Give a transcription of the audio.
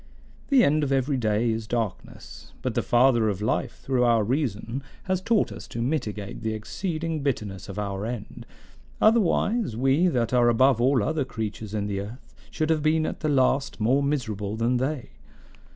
"The end of every day is darkness, but the Father of life through our reason has taught us to mitigate the exceeding bitterness of our end; otherwise, we that are above all other creatures in the earth should have been at the last more miserable than they.